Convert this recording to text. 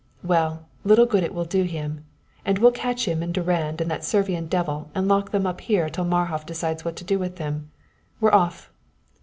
Well, little good it will do him! And we'll catch him and Durand and that Servian devil and lock them up here till Marhof decides what to do with him. We're off!"